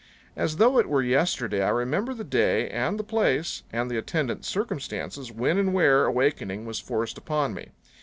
As though it were yesterday I remember the day and the place and the attendant circumstances when and where awakening was forced upon me.